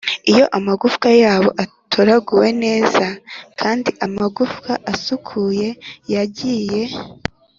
iyo amagufwa yabo atoraguwe neza kandi amagufwa asukuye yagiye,